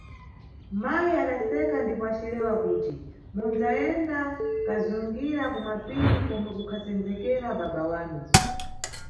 Mayi adaseka ndipo acilewa kuti mundzayenda kazungira kumapiri komwe kukhasendzekera baba wanu.